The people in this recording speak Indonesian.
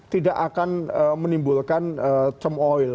tidak akan menimbulkan cemoyel